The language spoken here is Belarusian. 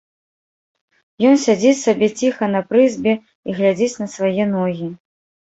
Ён сядзіць сабе ціха на прызбе і глядзіць на свае ногі.